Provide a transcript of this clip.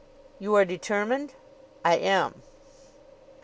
"You are determined?" "I am!"